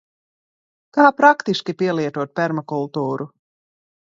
Kā praktiski pielietot permakultūru?